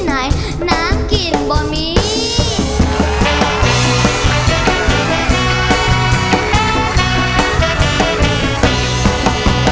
มันเติบเติบ